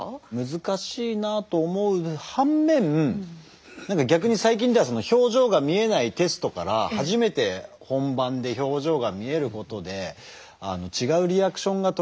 難しいなと思う反面逆に最近では表情が見えないテストから初めて本番で表情が見えることで違うリアクションがとれるみたいな。